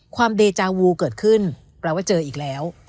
เดจาวูเกิดขึ้นแปลว่าเจออีกแล้ว